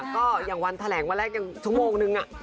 ก็อย่างวันแถลงวันแรกยังชั่วโมงนึง